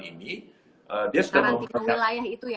itu writes di lapangan